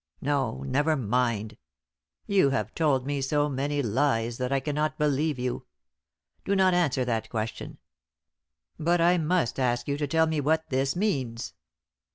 No, never mind. You have told me so many lies that I cannot believe you. Do not answer that question. But I must ask you to tell me what this means?"